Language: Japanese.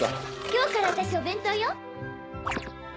今日から私お弁当よ。